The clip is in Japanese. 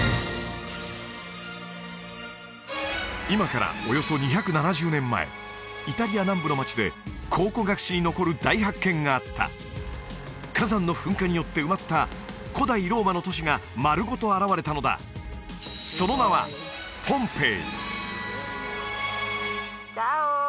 今からおよそ２７０年前イタリア南部の街で考古学史に残る大発見があった火山の噴火によって埋まった古代ローマの都市が丸ごと現れたのだその名はチャオ！